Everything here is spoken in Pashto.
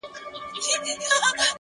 هره لحظه د جوړولو ځواک لري,